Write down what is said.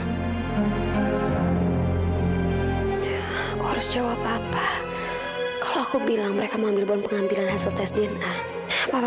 harus jawab apa kalau aku bilang mereka mengambil bon pengambilan hasil tes dna